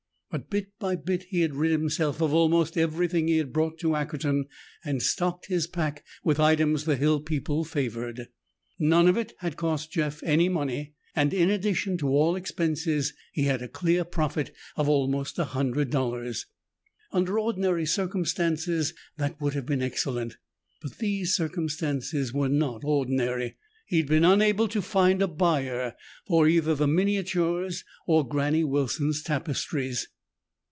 But bit by bit he had rid himself of almost everything he had brought to Ackerton and stocked his pack with items the hill people favored. None of it had cost Jeff any money and, in addition to all expenses, he had a clear profit of almost a hundred dollars. Under ordinary circumstances that would have been excellent. But these circumstances were not ordinary. He had been unable to find a buyer for either the miniatures or Granny Wilson's tapestries.